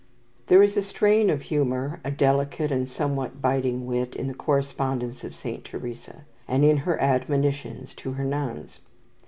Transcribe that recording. There is a strain of humour, a delicate and somewhat biting wit in the correspondence of Saint Teresa, and in her admonitions to her nuns.